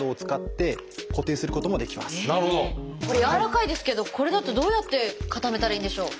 これ軟らかいですけどこれだとどうやって固めたらいいんでしょう？